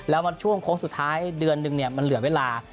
และช่วงสุดท้ายเดือนนึงมันเหลือเวลา